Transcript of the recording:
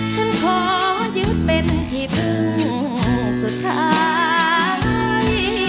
ฉันขอยึดเป็นที่พึ่งสุดท้าย